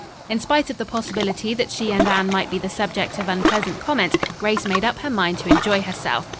In spite of the possibility that she and Anne might be the subject of unpleasant comment, Grace made up her mind to enjoy herself.